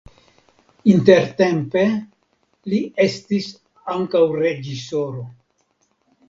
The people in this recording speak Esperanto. Intertempe li estis ankaŭ reĝisoro.